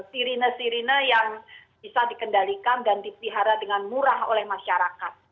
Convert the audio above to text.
sirine sirine yang bisa dikendalikan dan dipelihara dengan murah oleh masyarakat